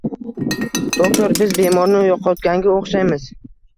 - Doktor, biz bemorni yo'qotganga o'xshaymiz!